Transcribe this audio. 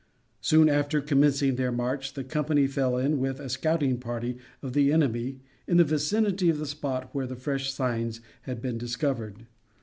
Soon after commencing their march, the company fell in with a scouting party of the enemy in the vicinity of the spot where the fresh signs had been discovered.